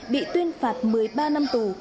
bị tuyên phạt một mươi ba năm tù